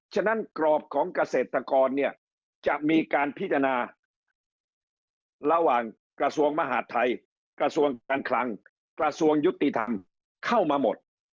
ฉะนั้นกรอบของเกษตรกรเนี่ยจะมีการพิจารณาระหว่างกระทรวงมหาดไทยกับกระทรวงการคลังกับกระทรวงยุติธรรมเข้ามาหมด